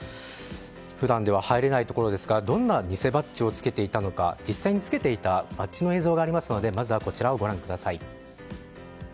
普段では入れないところですからどんな偽バッジをつけていたのか実際につけていたバッジの映像がありますのでこちらをご覧ください。